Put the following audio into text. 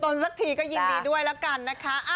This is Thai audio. โปรดติดตามตอนต้น